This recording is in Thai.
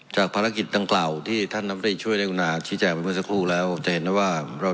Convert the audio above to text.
ช่วยชีวิตแม่งวันสักครู่แล้วจะเห็นนะว่าเรา